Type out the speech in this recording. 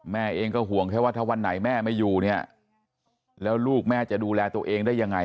แม่เองก็ห่วงแค่ว่าถ้าวันไหนแม่ไม่อยู่เนี่ยแล้วลูกแม่จะดูแลตัวเองได้ยังไง